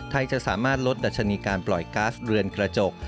จะสามารถลดดัชนีการปล่อยก๊าซเรือนกระจก